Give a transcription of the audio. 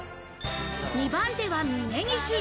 ２番手は峯岸。